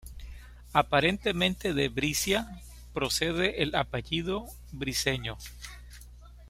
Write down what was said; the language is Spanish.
Aparentemente de Bricia, procede el apellido Briceño.